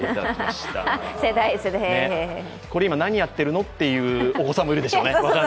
これ今、何やってるのという方もいるでしょうね。